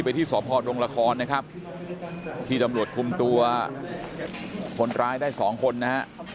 ไปที่สภดรงละครนะครับที่ตำรวจคุมตัวคนร้ายได้๒คนนะครับ